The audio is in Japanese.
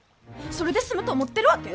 それで済むと思ってるわけ？